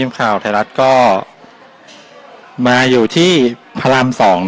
มาละอื่นปั้น